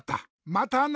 またな！